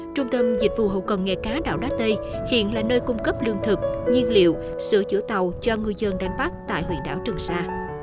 trung tâm dịch vụ hậu cần nghề cá đảo đá tây hiện là nơi cung cấp lương thực nhiên liệu sửa chữa tàu cho ngư dân đánh bắt tại huyện đảo trường sa